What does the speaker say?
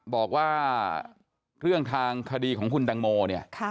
บอกว่าเรื่องทางคดีของคุณตังโมเนี่ย